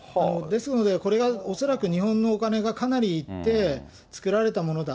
ですので、これが恐らく、日本のお金がかなりいって、造られたものだ。